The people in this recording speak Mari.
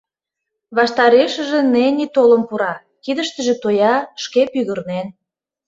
Ваштарешыже Нени толын пура; кидыштыже тоя, шке пӱгырнен.